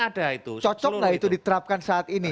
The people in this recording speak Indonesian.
ada itu cocoklah itu diterapkan saat ini